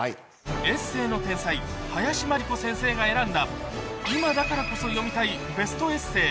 エッセーの天才、林真理子先生が選んだ今だからこそ読みたいベストエッセー。